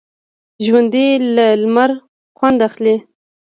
ژوندي له لمر خوند اخلي